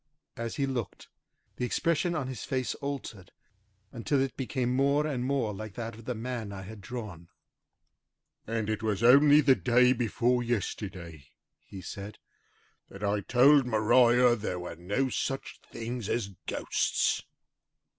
As he looked, the expression of his face altered until it became more and more like that of the man I had drawn. "And it was only the day before yesterday," he said, "that I told Maria there were no such things as ghosts!"